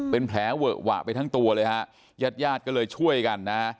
เป็นแผลเวอะหวะไปทั้งตัวเลยฮะญาติญาติก็เลยช่วยกันนะ